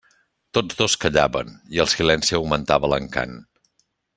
Tots dos callaven, i el silenci augmentava l'encant.